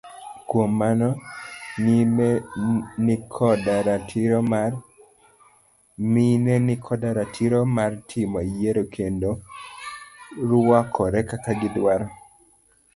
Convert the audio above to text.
Kuom mano mine nikoda ratiro mar timo yiero kendo ruakore kaka gi dwaro.